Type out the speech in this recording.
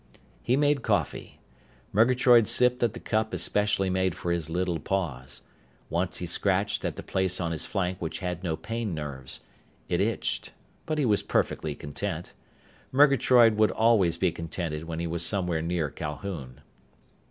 He made coffee. Murgatroyd sipped at the cup especially made for his little paws. Once he scratched at the place on his flank which had no pain nerves. It itched. But he was perfectly content. Murgatroyd would always be contented when he was somewhere near Calhoun.